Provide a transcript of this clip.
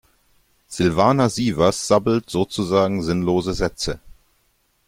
Silvana Sievers sabbelt sozusagen sinnlose Sätze.